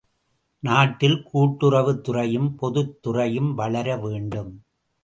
நாட்டில் கூட்டுறவுத்துறையும் பொத்துறையும் வளர வேண்டும்.